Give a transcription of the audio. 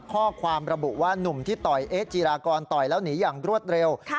ข้อความระบุว่านุ่มที่ต่อยเอ๊ะจีรากรต่อยแล้วหนีอย่างรวดเร็ว